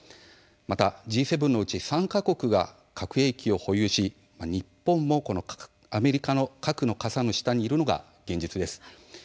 またＧ７のうち３か国が核兵器を保有し日本もアメリカの核の傘の下にいるのが現実です。